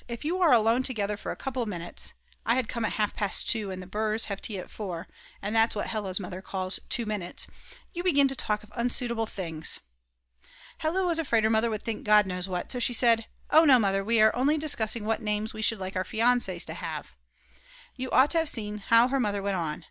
If you are alone together for a couple of minutes (I had come at half past 2 and the Brs. have tea at 4, and that's what Hella's mother calls 2 minutes), you begin to talk of unsuitable things." Hella was afraid her mother would think God knows what, so she said: "Oh no, Mother, we were only discussing what names we should like our fiances to have." You ought to have seen how her mother went on.